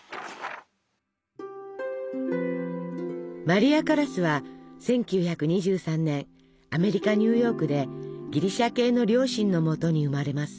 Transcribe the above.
マリア・カラスは１９２３年アメリカニューヨークでギリシャ系両親のもとに生まれます。